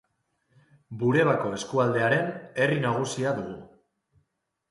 Burebako eskualdearen herri nagusia dugu.